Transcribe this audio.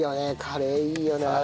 カレーいいよなあ。